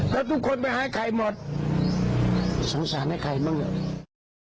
แล้วทุกคนไปหาใครหมดสงสารให้ใครบ้างเหรอ